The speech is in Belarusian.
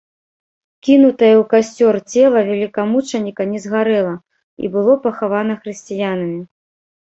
Кінутае ў касцёр цела велікамучаніка не згарэла і было пахавана хрысціянамі.